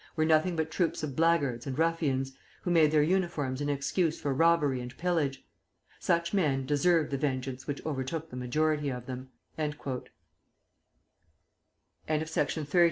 were nothing but troops of blackguards and ruffians, who made their uniforms an excuse for robbery and pillage. Such men deserved the vengeance which overtook the majority of them." [Illustration: _PRESIDENT ADOLPH THIERS.